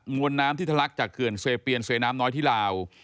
มวลน้ำที่ทะลักษณ์จะเกินเซเปียนเซน้ำน้อยที่ราว